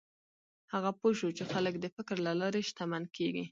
هغه پوه شو چې خلک د فکر له لارې شتمن کېږي.